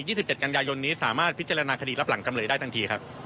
สิบเจ็ดกันยายนนี้สามารถพิจารณาคดีรับหลังจำเลยได้ทันทีครับ